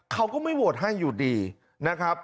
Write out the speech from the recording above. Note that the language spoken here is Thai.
เขาก็ไม่โหวตให้อยู่ดีนะครับ